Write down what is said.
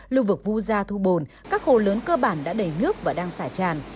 lưu vực vu gia thu bồn các hồ lớn cơ bản đã đầy nước và đang xả tràn